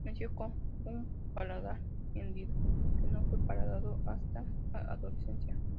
Nació con un paladar hendido que no fue reparado hasta su adolescencia.